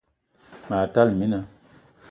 Ma tala mina